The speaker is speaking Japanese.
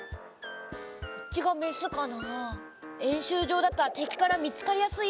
こっちがメスかな？